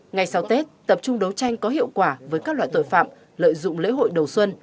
ngày sau tết tập trung đấu tranh có hiệu quả với các loại tội phạm lợi dụng lễ hội đầu xuân